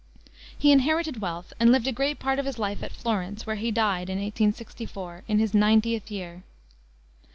He inherited wealth, and lived a great part of his life at Florence, where he died, in 1864, in his ninetieth year.